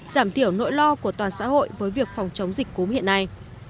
giảm thiểu nỗi lo của toàn xã hội với việc phòng chống dịch cúm hiện nay